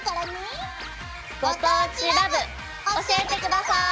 「ご当地ＬＯＶＥ」教えて下さい！